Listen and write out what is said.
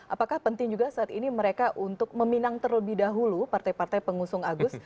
apakah penting juga saat ini mereka untuk meminang terlebih dahulu partai partai pengusung agus